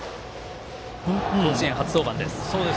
甲子園、初登板です。